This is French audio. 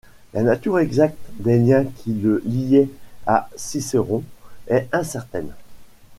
La nature exacte des liens qui le liaient à Cicéron est incertaine.